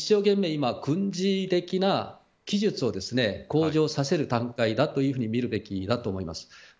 今、軍事的な技術を向上させる段階だというふうに見るべきだと思います。